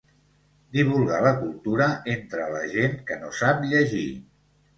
Divulgar la cultura entre la gent que no sap llegir.